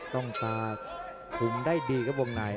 ต้องตาคุมได้ดีครับวงใน